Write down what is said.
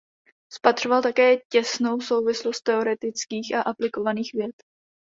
Spatřoval také těsnou souvislost teoretických a aplikovaných věd.